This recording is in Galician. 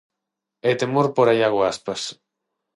E temor por a Iago Aspas.